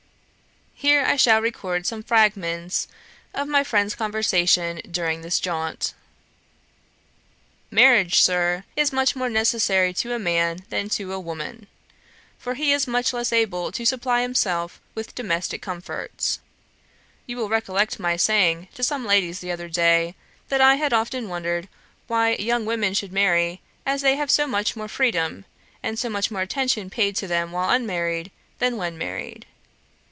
Here I shall record some fragments of my friend's conversation during this jaunt. 'Marriage, Sir, is much more necessary to a man than to a woman; for he is much less able to supply himself with domestick comforts. You will recollect my saying to some ladies the other day, that I had often wondered why young women should marry, as they have so much more freedom, and so much more attention paid to them while unmarried, than when married.